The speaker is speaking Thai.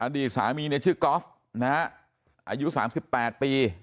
อดีตสามีเนี่ยชื่อก๊อฟนะฮะอายุสามสิบแปดปี